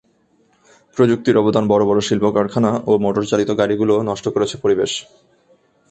প্রযুক্তির অবদান বড় বড় শিল্পকারখানা ও মোটর চালিত গাড়িগুলো নষ্ট করেছে পরিবেশ।